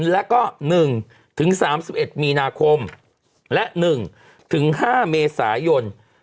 และก็๑ถึง๓๑มีนาคมและ๑ถึง๕เมษายน